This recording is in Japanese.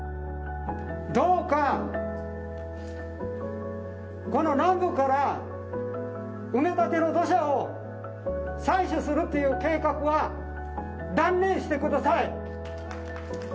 どうか、この南部から埋め立ての土砂を採取するという計画は断念してください。